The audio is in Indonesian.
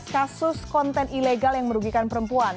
enam belas kasus konten ilegal yang merugikan perempuan